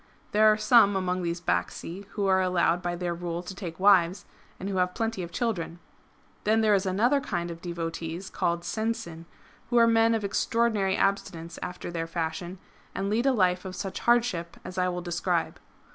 There are some among these Bacsi who are allowed by their rule to take wives, and who have plenty of children. ^"^ Then there is another kind of devotees called Sensin, who are men of extraordinary abstinence after their fashion, and lead a life of such hardship as I will describe.